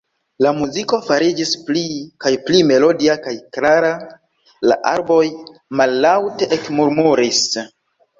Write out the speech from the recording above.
La muziko fariĝis pli kaj pli melodia kaj klara; la arboj mallaŭte ekmurmuris.